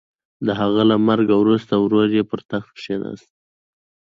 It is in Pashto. د هغه له مرګ وروسته ورور یې پر تخت کېناست.